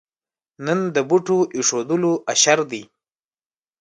نن د بوټو اېښودلو اشر دی.